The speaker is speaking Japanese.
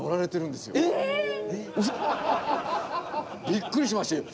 びっくりしましたよ。